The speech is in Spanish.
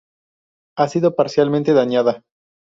Ha sido parcialmente dañada.